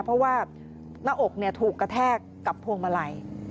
เพราะว่าหน้าอกถูกกระแทกกับพวงมาลัย